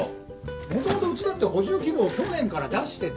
もともとうちだって補充希望を去年から出してて。